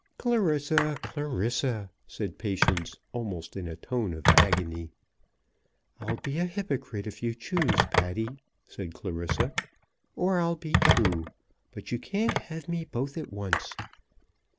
"Clarissa, Clarissa!" said Patience, almost in a tone of agony. "I'll be a hypocrite if you choose, Patty," said Clarissa, "or I'll be true. But you can't have me both at once."